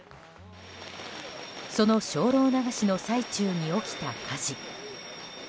その精霊流しの最中に起きた火事。